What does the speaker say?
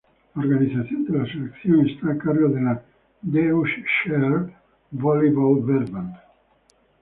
La organización de la selección está a cargo de la Deutscher Volleyball-Verband.